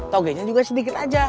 togenya juga sedikit aja